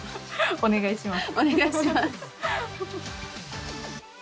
お願いします。